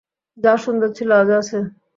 যা সুন্দর ছিল আজও আছে।